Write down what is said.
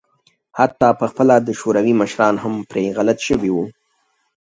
حتی په خپله د شوروي مشران هم پرې غلط شوي وو.